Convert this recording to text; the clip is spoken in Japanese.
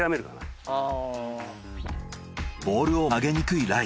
ボールを上げにくいライ。